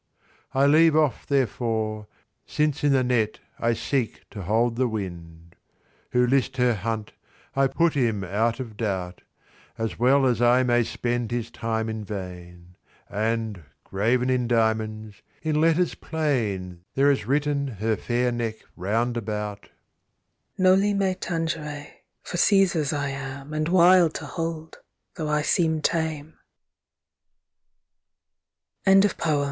I leave off therefore, Since in a net I seek to hold the wind. Who list her hunt, I put him out of doubt, As well as I may spend his time in vain; And, graven in diamonds, in letters plain There is written her fair neck round about: "Noli me tangere,"* for Caesar's I am, [touch me not] And wild to hold, though I seem ta